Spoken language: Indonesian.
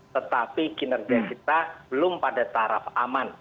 tetapi kinerja kita belum pada taraf aman